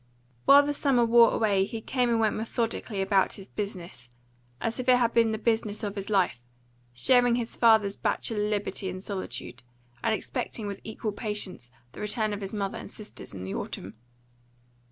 While the summer wore away he came and went methodically about his business, as if it had been the business of his life, sharing his father's bachelor liberty and solitude, and expecting with equal patience the return of his mother and sisters in the autumn.